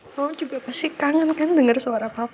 kamu juga pasti kangen kan denger suara papa